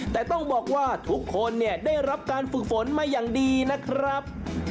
แต่ต้องบอกว่าทุกคนเนี่ยได้รับการฝึกฝนมาอย่างดีนะครับ